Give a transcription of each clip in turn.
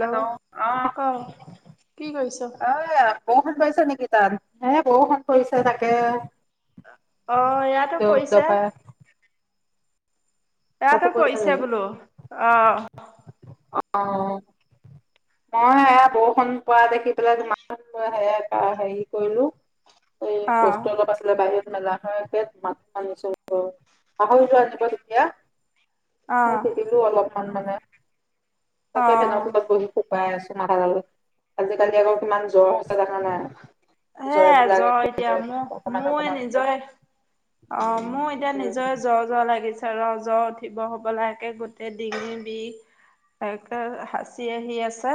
Hello অ ক কি কৰিছ? ঐ ব। গইছ নেকি তাত হে বষুণ পৈছে তাকে। অ ইয়াতো দপ পৈছে। দপাই তাতো এয়াটো পৰিছে পৈছে নেকি বোলো অ। অ। মই এ বৰষুণ পৱা দেখি পেলাই তোমালে হেয়া হেৰি কৈলো। এই অ কষ্টো অলপ আছিলে কাৰণে। মেলা পাহৰি লোৱা তেতিয়া দেখিবা। অ মই তিতিলো অলপ। খন মানে। অ তাকে ফেন তলত বহি। খাই আছো মাথা ডালত আজিকালি আকৌ কিমান জ্বৰ হৈছে দেখা নাই। হে জ্বৰ বিলাক জ্বৰএতিয়া একেবাৰে মোৰ অকমান মোৰ অকমানকে নিজৰে। অ মোৰ এতিয়া উম নিজৰে জ্বৰ জ্বৰ লা। লাগিছে ৰ জ্ব উঠিব হব লাকে গোটেই ডিঙি বিষ একে সাঁচি আহি আছে।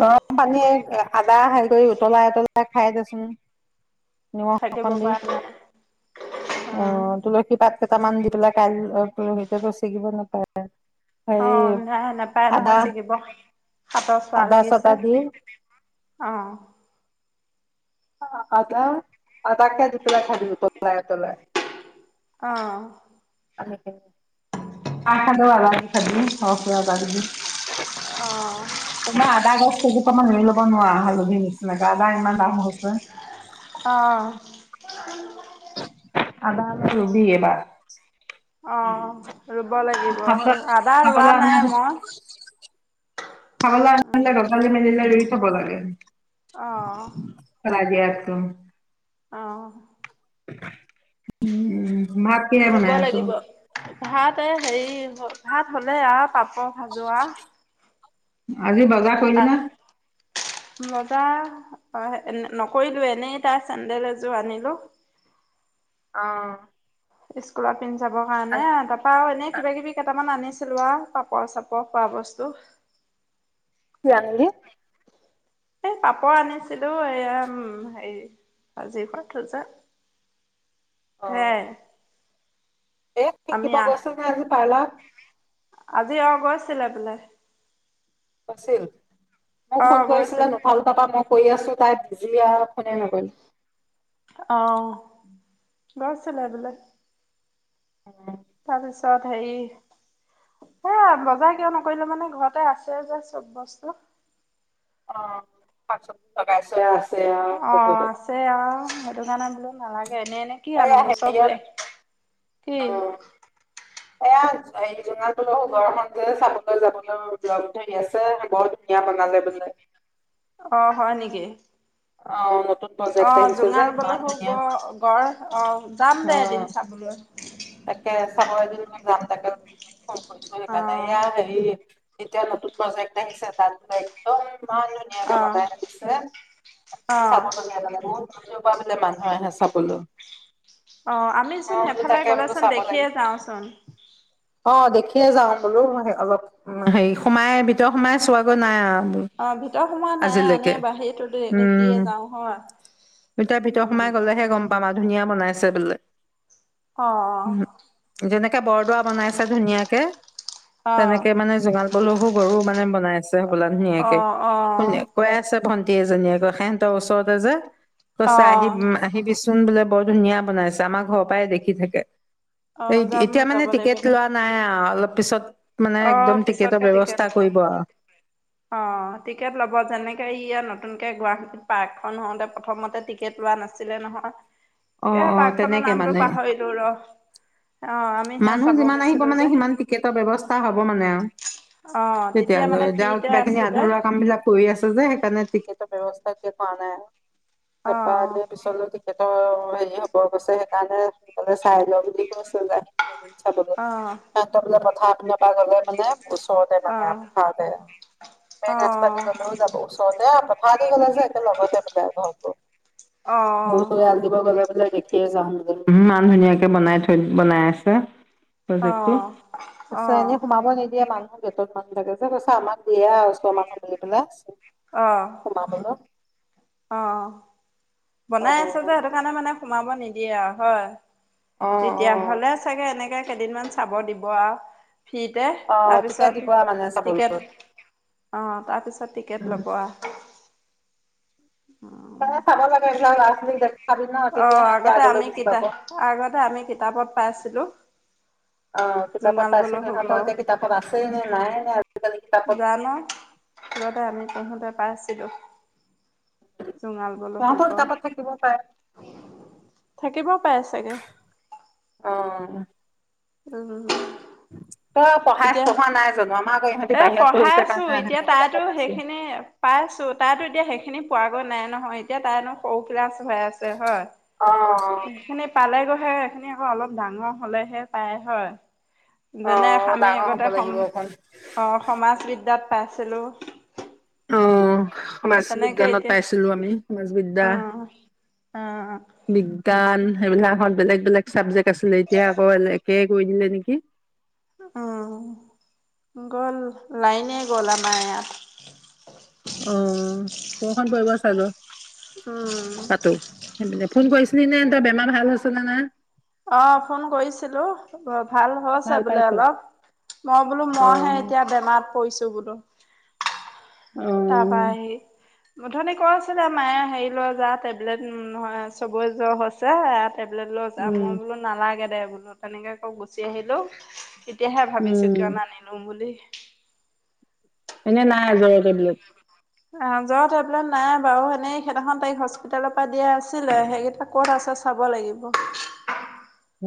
গৰম পানীয়ে আদা হে কৰি উতলাই উতলাই। খাই দেছোন। নিমখ থাকিব অকণ দি পৰা নাই অ উম তুলসী। পাত কেইটামান দি পেলাই কাই সতে চিগিব নাপায় অ হেৰি নাই নাপায় আদা নহয় ছিগিব হাত। চোৱা আদা লাগিছে চাদা দি অ। অ আদা আদা কে দিপিলাই খাই দিবি উতলাই উতলাই। অ। [unintelligible] তোমাৰ আদা গেছ জোপামান ৰুই ল'ব অ নোৱাৰা, হালধীৰ নিচিনাকৈ আদা ইমান দাম হৈছে । অহ । আদা অলপ ৰুবি এবাৰ । অঁ । ৰুব লাগিব । আদা ৰোৱা খাবলৈ নাই মই । হল আঅ গযালী মেললে [unintelligible] ৰুব লাগে । অহ । আইদিয়াটো । অহ। উম । ৰুব লাগিব । ভাত এ হেৰি হয় । ভাত হ'লে অ পাব, ক হাজোৱা। আজি বজা কৰিলি ন বজা নকৰিলো, এনেই তাৰ চেণ্ডেল এযোৰ আনিলো । অ। স্কুলত, পিন্ধাবৰ আজি কাৰণে তাৰপা আৰু এনে কিবা কিবি কেইটামান আনি । চিল নহয় পাপৰ চাপৰ খোৱা বস্তু । কি অনিলি [unintelligible] এই পাপৰ আনিছিলো, এইয়াম হেৰি আজিৰ পৰা থোজা, কৰে সেইয়ায়। এই সিকিতা বস্তু আজি অলপ । [unintelligible] আজি আৰু গৈছিলে বোলে । আছিল । মোক অ ফোন কৰিছিলে গৈছিলো নুঠালো, তাপা মই কৰি আছো তাত জীয়া অসমীয়া নাজানে [unintelligible] অহ গৈচিলে বোলে । [unintelligible] তালেছ [unintelligible] তাৰিছত হেৰি, সেয়া বজাৰ কিয় নকৰিলো মানে ঘৰতে আছে যে চব বস্তু । [unintelligible] অ শাক চবজি লগাইছো । অ আছে অ সেইটো কাৰণে বোলো, নালাগে এনেই এনেই কি আন এয়া গো চবে, হেৰিয়ত [unintelligible] কি? অ এয়া এইজ ঘৰখন যে চাবলৈ যাবলৈ লগ ধৰি আছে বৰ ধুনীয়া বনালে বোলে। অ হয় নেকি? অ নতুন অ প্ৰজেক্ট আহিছে যে 'জোঙাৰ গলে ইমান হো গ ধুনীয়া গড় অ যাম দে অ এদিন চাবলৈ। [unintelligible] তাকে চাবএদিন যাম তাকে। কম কৈচো অ সেইকাৰণে, এয়া হেৰী।। যেতিয়া নতুন প্ৰজেক্ট আহিছে তাত একদম। ইমান অ ধুনীয়াকৈ বনাই আনিছে অ সঁচাকে চাব লগীয়া বহুত। বাহিৰৰ পৰা বোলে মানুহ আহে চাবলৈ । অ' আমি চোন এফালে গ'লো। চাব দেখিয়ে লাগিব যাওঁচোন। অ' দেখিয়ে যাওঁ বোলো অলপ হেৰি সোমাই ভিতৰত সোমাই চোৱাগৈ নাই আৰু। বোলো অ' ভিতৰত সোমোৱা নাই আনে আজিলৈকে বাহীতো দে দেখিয়ে উম যাওঁ এতিয়া ভিতৰ হয়। সোমাই গলেহে গম পাম আৰু ধুনীয়া বনাইছে বোলে। উম অঁ, অঁ। যেনেকে বৰদোৱা বনাইছে ধুনীয়াকে। অ', তেনেকে মানে জোগাল। বলহু গৰু মানে বনাইছে। বোলা ধুনীয়াকে শু অ', কৈ আছে ভণ্টি গোটেই জনীয়ে আকৌ সেহেতৰ ওচৰতে যে কৈছে অ', আহিবি চোন। চোন বোলে বৰ ধুনীয়া বনাইছে আমাৰ ঘৰৰ পৰাই দেখি থাকে। অ', যাম এতিয়া মানে যাব লাগিব টিকেট দে লোৱা নাই অলপ। পিছত, মানে একদম অ' টিকেটৰ পিছতকে টিকেট ব্যৱস্থা লব কৰিব আৰু। অ টিকেট লব যেনেকে ই নতুন। গুৱাহাটীত পাৰ্কখন হওঁতে প্ৰথমতে টিকেট লোৱা নাছিলে নহয়। এ অ', অ', পাৰ্ক খনৰ তেনেকে নামটো মানে পাহৰিলো ৰ অ ' আমি। সেয়া মানুহ চাব যিমান আহিব গৈছিলো মানে যে সিমান টিকেটৰ ব্যয়ৱস্থা হয়। মানে আৰু অ', তেতিয়া মানে তেতিয়াালৈ দে ফ্ৰীতে কিবা খিনি আছিলে আধৰুৱা কাম বিলাক কৰি আছে যে সেইকাৰণে। টিকটৰ ব্যৱস্থা কৰা নাই আৰু। তেপা অ', পিছনো টিকেটৰ। হেৰি হব গৈছে সেইকাৰণে সোনকালে চাই ল বুলি কৈছে যে। সেইটো। অ', চাবলে। ভাত নাপায় গলে মানে। ওচৰতে মানে অ', পথাৰতে অ', মেইৰাস্তা দি অ', গ'লেও যাব ওচৰতে। [unintelligible] লাছে একে লগতে ম হব ব অ', চব আল দীিবা গলা বলে [inaudible] দেখিয়ে যাওঁ বোলো, ইমান ধুনীয়াকে বনাই থৈ- বনাই আছে। ছে। প্ৰজেক্টটো । তাৰছত অ', এনেই সোমাব নিদিয়ে মানুহ গেটত মানুহ থাকে যে, কৈছে আমাক দিয়ে আও ওচৰ মানুহ বুলি পেলাই। অ'। সোমাবলৈ অ'। অ বনাই আছে যে সেইটো কাৰণে মানে সোমাব নিদিয়ে আও, হয়। অ অ তেতিয়াহ'লে চাগে এনেকে কেইদিনমান চাব দিব আও। ফ্ৰীতে । অ তেতিয়া তাৰপিছত দিব মানে টিকেট- অ' তাৰপিছত টিকেট ল'ব চাবলৈ আও। অ' চাব লাগে এইবিলাক। লৰা-ছোৱালীক বি ন', তেতিয়া অ' সিহঁতে আগতে আগলৈ আমি বুজি পাব। কিতাপ আগতে আমি কিতাপত পাইছিলোঁ অ' কিতাপত জোঙাল পাইছে বল হব নহয় । কিতাপত আছেই নে নাই নে আজিকালি কিতাপত জানো? আগতে আমি পঢ়োতে পাইছিলোঁ। জোঙাল বোল সিহঁতৰ শুক। কিতাপত থাকিব পাৰে থাকিব পাই চাগে? অ উম। [unintelligible] পঢ়াই এতিয়া- পঢ়োৱা নাই জানো আমাৰ আকৌ ইহঁতি এ বাহিৰত পঢ়াই পঢ়িছে আছোঁ কাৰণে । এতিয়া ইহঁতৰ তাইতো কিতাপত আছে। সেইখিনি পাইছোঁ । তাইতো এতিয়া সেইখিনি পোৱা গৈ নাই নহয় এতিয়া। তাই এনো সৰু ক্লাছ হৈ আছে হয়। অ সেইখিনি পালে গৈ সেই এইখিনি আকৌ অলপ ডাঙৰ হ'লেহে পায় হয়। অ যেনে আমি ডাঙৰ হ'ব আগতে লাগিব সম- অকণ। অ' সমাজ বিদ্যাত পাইছিলোঁ। অ সমাজ বিজ্ঞানত এতিয়া পাইছিলোঁ আমি । সমাজবিদ্যা অ অ বিজ্ঞান সেইবিলাকত বেলেগ - বেলেগ চাবজেক্ট আছিলে । এতিয়া আকৌ এনেকে কৈ দিলে নেকি? উম । গ'ল, লাইনে গ'ল আমাৰ ইয়াত। অ' বৰষূণ পৰিব চাগ। উম । ফোন কৰিছিলি নে তই বেমাৰ ভাল হৈছে নে নাই? অ' ফোন কৰিছিলোঁ । ভাল হৈছে ভাল বোলে পাইছো। অলপ। মই বোলো মইহে অ', এতিয়া বেমাৰত পৰিছোঁ বোলো। অ তাৰপা- মধনি ক আছিলে, মায়ে হেৰি লৈ যা টেবলেট চবৰে জ্বৰ হৈছে ইয়াত- টেবলেট লৈ যা উম, মই বোলো নালাগে দে- [unintelligible] তেনেকে আকৌ গুচি আহিলো। তেতিয়াহে ভাবিছো উম, কিয় নানিলো বুলি। এনেই নাই জ্বৰৰ টেবলেট? আহ জ্বৰৰ টেবলেট নাই বাৰু এনেই সেইদিনাখন তাইক হস্পিতালৰ পৰা দিয়া আছিলে। সেইকেইটা কত আছে চাব লাগিব।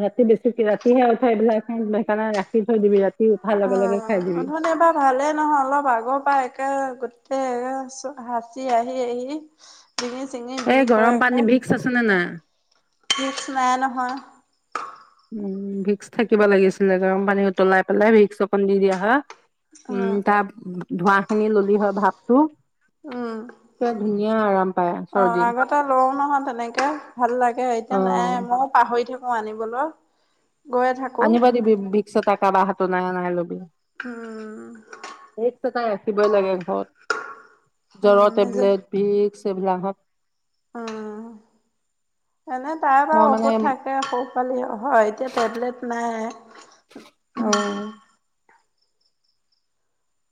ৰাতি বেছিকে ৰাতি সে উঠে এইবিলাক সেইকাৰণে ৰাখি থৈ দিবি ৰাতি- উঠাৰ অ লগে লগে খাই দিবি। উঠনি পৰা ভালেই নহয় অলপ আগৰ পৰা একে- হাঁচি আহি আহি- দিঙি চিঙি এই বিষ হৈ গৰম পানী একে ভিক্স আছে নে নাই? ভিক্স নাই নহয়। অ। উ ভিক্স থাকিব লাগিছিলে গৰম পানী উতলাই পেলাই ভিক্স অকণ দি দিয়া হয়- উম তাৰ- ধোৱা- উম একে ধুনীয়া আৰাম পায় অ চৰ্দি। আগতে লঁও নহয় তেনেকে ভাল লাগে এতিয়া নাই অ', মই আকৌ পাহৰি থাকো- মই আনিবলো। আনিব দিবি ভিক্স এটা কাবা হাতত নাই অনাই লবি উম ভিক্স - থাকিবই লাগে। জ্বৰৰ উম টেবলেট ভিক্স- [unintelligible] অ। এনেই তাৰ মই বাৰু মানে ঔষধ থাকে [unintelligible] হয় এতিয়া টেবলেট নাই। অ।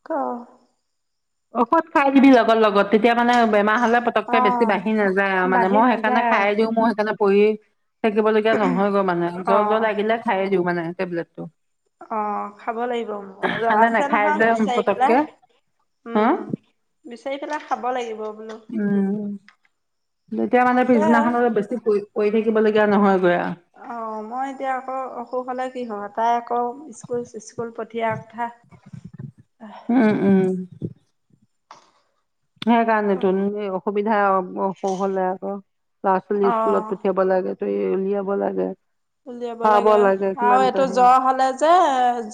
ক- ঔষধ খাই দিবি লগত লগত। তেতিয়া মানে বেমাৰ হ'লে পতককে অ বেছি বাঢ়ি নাযায় আৰু মানে বাঢ়ি মই সেইকাৰণে নাযায় আৰু খাই দিওঁ মোৰ সেইকাৰণে- [unintelligible] থাকিবলগীয়া নহয় গৈ মানে অ জ্বৰ জ্বৰ লাগিলে খায়ে দিওঁ মানে। টেবলেটটো। অ খাব লাগিব মোৰ ঠাণ্ডা আছে নাখাই যে নহয় বিচাৰি পতককে পেলাই- হা উম। । বিচাৰি পেলাই খাব লাগিব। বোলো উম তেতিয়া মানে পিছদিনাখন আছে। অলপ বেছি পৰি থাকি। থাকিবলগীয়া নহয়। অ' মই এতিয়া আকৌ অসুখ হলে কি [unintelligible] তাই আকৌ ইস্কুল চিচকুল পঠিয়াৰ কথা। উম উম। সেই কাৰণেতো [unintelligible] অসুবিধা অসুখ হলে আকৌ ল'ৰা অ ছোৱালী স্কুলত পঠিয়াব লাগে। [unintelligible] উলিয়াব লাগে। উলিয়াব খুৱাব লাগে কিমান আৰু এটা এইটো হেৰি জ্বৰ হলে যে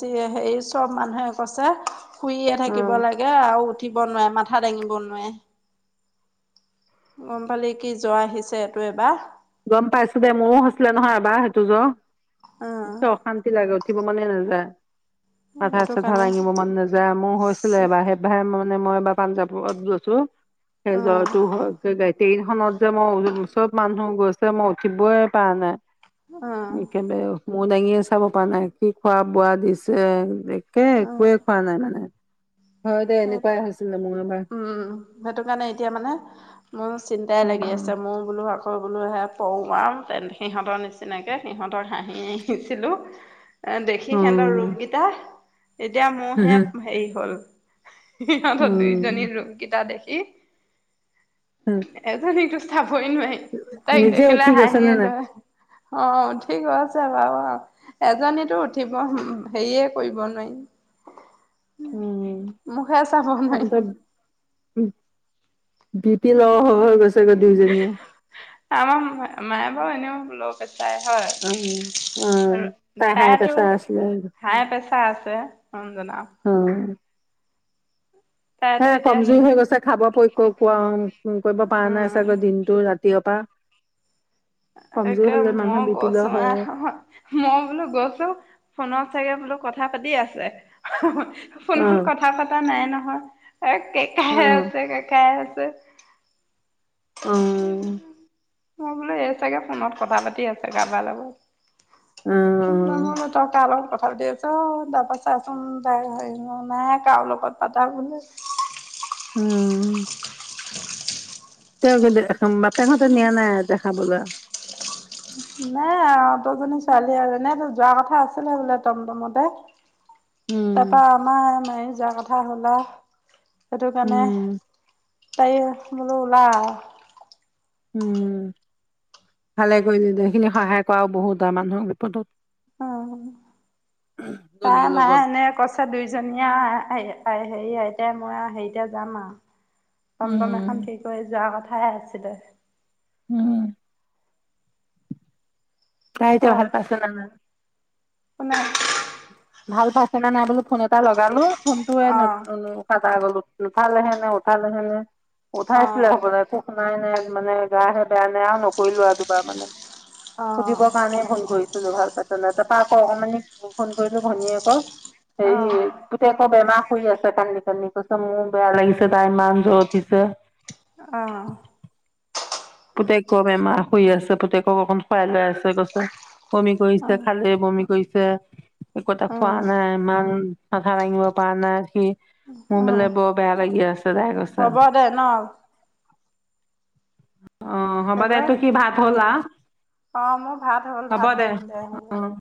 যি হেৰি চব মানুহে কৈছে শুইয়ে অ থাকিব লাগে আৰু উঠি উঠিব নোৱাৰে মাথা দাঙিব নোৱাৰে। গম পালি কি জ্বৰ আহিছে এইটো এইবাৰ। গম পাইছো দে মোৰো হৈছিলে নহয় এবাৰ সেইটো জ। অ [unintelligible] অশান্তি [unintelligible] উঠিব মনে নাযায়। মাথা সেইটো চাথা কাৰণে দাঙিব মন নাযায় মোৰ হৈছিলে এবাৰ [unintelligible] মানে মই এবাৰ পাঞ্জাৱত গৈছো। সেই জ্বৰটো হৈছে [unintelligible] ট্ৰেইন খনত যে মই [unintelligible] চব মানুহ গৈছ [unintelligible] মই উঠিবই পাৰা নাই। অ [unintelligible] মূৰ দাঙিয়ে চাব পৰা নাই কি খোৱা বোৱা দিছে, একে একোৱে অ খোৱা নাই মানে। হয় দে এনেকুৱাই [unintelligible] হৈছিলে মোৰ এবাৰ উম, সেইটো কাৰণে এতিয়া মানে মোৰ চিন্তাই লাগি উম আছে মোৰ বোলো আ হয় বোলোহে পৰোঁ আৰু তেন - সিহঁতৰ নিচিনাকে, সিহঁতৰ হাঁহি ছিলোঁ এ দেখি সেহঁতৰ উম ৰূপ গিতা এতিয়া মোৰহে হেৰি হ'ল সিহঁতৰ উম দুইজনী ৰুপকেইটা দেখি। খি এজন এইটো [unintelligible] তাইক নিজে দেখিলে উঠি গৈছে নে হাঁহিয়ে নাই দৰে অ' ঠিক আছে বাৰু অ এজনীতো উঠিব হেৰিয়ে কৰিব নোৱাৰি উম। মুখে চাব নোৱাৰি। [inaudible] বি পি ল' হৈ হৈ গৈছে গৈ দুয়োজনীয়ে। আমাৰ মায়ে বাৰু এনেও ল'ৰা -ছোৱালী তাই হয় অ অ', আৰু তাই হাই তাইতো প্ৰেছাৰ আছিলে হাই প্ৰেচাৰ আছে। তে । অ' জনা। অ হে এতিয়া কমজৰি হেৰি হৈ গৈছে খাব কোৱা কৰিব পৰা নাই উম, চাগৈ দিনটো ৰাতিয়াৰ পৰা । তাকে মানুহৰ মই বি পি গৈছো ল' হয় আহ মই বোলো গৈছো ফোনত চাগে বোলো কথা। কথা পাতি আছে। অ ফোনত কথা পতা নাই নহয়। হয়। এ অ কেকাই আছে, কেকাই আছে। তে। অ [inaudible] মই বোলো এই চাগে ফোনত কথা পাতি আছে কাৰবাৰ অ লগত। নহ'লে তই কাৰ লগত কথা- ৰ দি আছ তাৰাপা চাচোন তাই হৰি নাই কাৰো লগত পাতা বোলে। অ [inaudible] তেওঁ কিন্তু বাপেকহঁতে নিয়া নাই দেখাবলৈ । নে অ দুহজনী ছোৱালী আৰু এনেয়ো যোৱা কথা আছিলে বোলে টমটমতে। উম তাৰপা আমাৰ মায়ে পূজা কথা হ'ল আৰু সেইটো কাৰণে উম পাৰি বোলো ওলাই আহ উম' ভালে কৰিলি দে, সেইখিনি সহায় কৰাও বহুত ভাল আৰু মানুহৰ বিপদত । উম। তাই মায়ে এনে কছে দুইজনীয়া আহ আহ । হেৰি এতিয়া মই হেৰিতে যাম আও। টমটম উম এখন থিক কৰি যাও । খাই আছিলে। উম'। তাই ক ইতা ভাল পাইছে নে নাই? কোনে? ভাল পাইছে নে নাই বোলো ফোন এটা লগালো । ফোনটোয়ে ন অ', কটা গলোত নুঠালেহে নে উঠাল। উম। উঠাইছিলে অ', হবলা! একো শুনাই নাই। মানে গাহে বেয়া নে আৰু নকৰিলো আও দুবাৰ মানে। অ', সুধিবৰ কাৰণে ফোন কৰিছিলো। ভাল পাইছ তাৰ পা আকৌ অকমানি কৰিছো ভনীয়েকক আকৌ হেৰি অ', পুতেকে শুই আছে কান্দি কান্দি তাৰ পিছত মোৰ বেয়া লাগিছে তাই ইমান জ্বৰ উঠিছে। অ', পুতেকৰ বেমাৰ শুই আছে পুতেক- অকণ খোৱাই লৈ আছে গৈছে। বমি কৰিছে, খালি বমি কৰিছে। ছে। একো এটা খোৱা উম, নাই। ম মাঠা দাঙিব পাৰা নাই, সি মোৰ উম, বোলে বৰ বেয়া লাগি আছে তাই কৈছে। হ'ব দে ন অ হ'ব দে তু হেল্ল'। কি ভাত হ'লা অ মোৰ ভাত হ'ল হ'ব ভাত দে দিওঁতে হ'ব অ', অ',